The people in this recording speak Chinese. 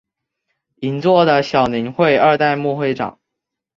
银座的小林会二代目会长。